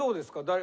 誰？